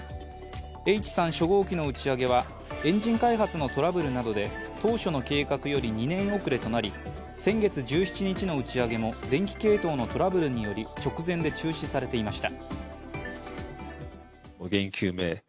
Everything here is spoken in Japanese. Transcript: Ｈ３初号機の打ち上げはエンジン開発のトラブルなどで当初の計画より２年遅れとなり先月１７日の打ち上げも電気系統のトラブルにより直前で中止されていました。